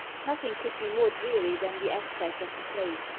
Nothing could be more dreary than the aspect of the place.